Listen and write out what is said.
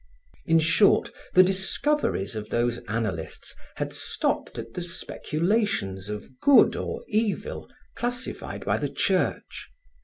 In short, the discoveries of those analysts had stopped at the speculations of good or evil classified by the Church.